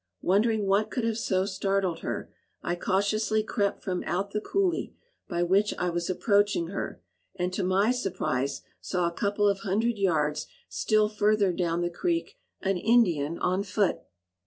Wondering what could have so startled her, I cautiously crept from out the coulée by which I was approaching her, and to my surprise saw, a couple of hundred yards still further down the creek, an Indian on foot.